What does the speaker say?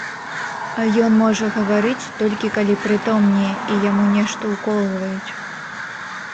А ён можа гаварыць, толькі калі прытомнее і яму нешта ўколваюць.